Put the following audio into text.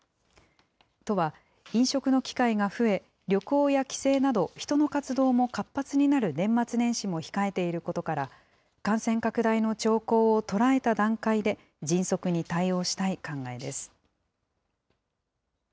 都は、飲食の機会が増え、旅行や帰省など、人の活動も活発になる年末年始も控えていることから、感染拡大の兆候を捉えた段階で、迅速に対応したい考えです。